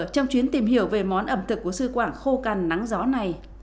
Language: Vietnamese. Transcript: trong chuyến tìm hiểu về món ẩm thực của sư quảng khô cằn nắng gió này